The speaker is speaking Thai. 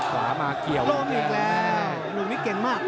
ขวามาเกี่ยวล้มอีกแล้วลูกนี้เก่งมาก